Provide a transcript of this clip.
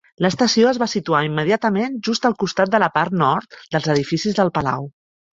L"estació es va situar immediatament just al costat de la part nord dels edificis del palau.